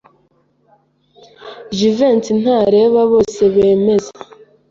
Jivency ntareba bose bemeza.